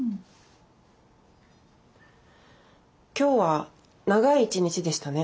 今日は長い一日でしたね。